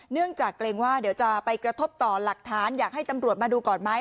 เนื่องจากเกรงว่าเดี๋ยวจะไปกระทบต่อหลักฐานอยากให้ตำรวจมาดูก่อนไหม